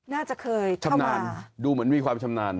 น่าจะเคยชำนาญดูเหมือนมีความชำนาญ